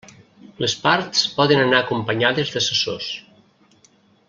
Les parts poden anar acompanyades d'assessors.